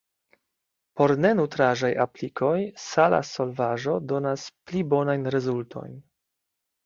Por ne-nutraĵaj aplikoj sala solvaĵo donas pli bonajn rezultojn.